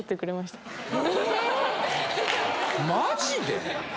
マジで！？